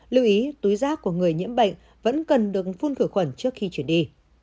lưu ý túi rác của người nhiễm bệnh vẫn cần được phun khử khuẩn trước khi chuyển đi